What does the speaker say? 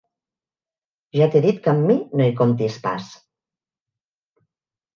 Ja t'he dit que amb mi no hi comptis pas.